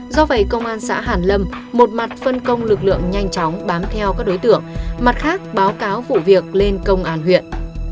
do vậy công an xã hàn lâm một mặt phân công lực lượng nhanh chóng bám theo các đối tượng mặt khác báo cáo vụ việc lên công an huyện